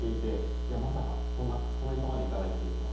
いやまさかこんなコメントまで頂いているとは。